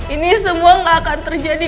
ini semua gak akan terjadi